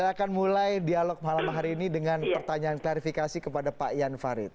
saya akan mulai dialog malam hari ini dengan pertanyaan klarifikasi kepada pak ian farid